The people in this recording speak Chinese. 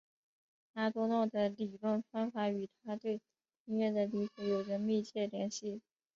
阿多诺的理论方法与他对音乐的理解有着密切联系。